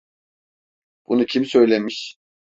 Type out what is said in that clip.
Bunu kim söylemiş?